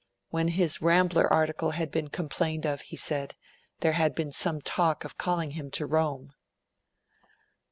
When his Rambler article had been complained of, he said, there had been some talk of calling him to Rome.